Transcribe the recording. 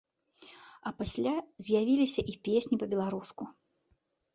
А пасля з'явіліся і песні па-беларуску.